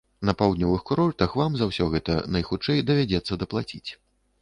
На паўднёвых курортах вам за ўсё гэта найхутчэй давядзецца даплаціць.